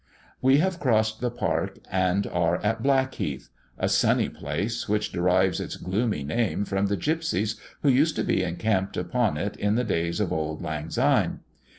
We have crossed the park, and are on Blackheath, a sunny place, which derives its gloomy name from the Gipsies who used to be encamped upon it in the "days of auld lang syne."